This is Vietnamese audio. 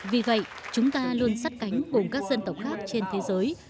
vì vậy chúng ta luôn sát cánh cùng các dân tộc khác trên thế giới